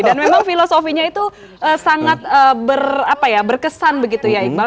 dan memang filosofinya itu sangat berkesan begitu ya iqbal